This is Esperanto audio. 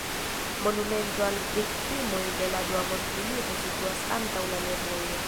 Monumento al viktimoj de la Dua Mondmilito situas antaŭ la lernejo.